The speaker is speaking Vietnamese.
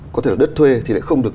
có thể là đất thuê thì lại không được